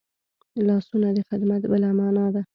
لاسونه د خدمت بله مانا ده